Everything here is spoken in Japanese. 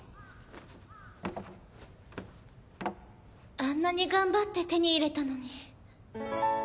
あんなに頑張って手に入れたのに。